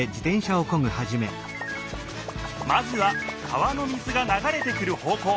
まずは川の水がながれてくる方こう。